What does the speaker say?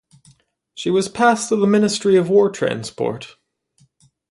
She was passed to the Ministry of War Transport.